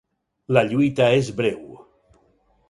La lluita és breu.